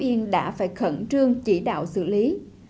yên đã phải khẩn trương chỉ đạo xử lý